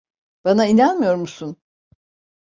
Bana inanmıyor musun?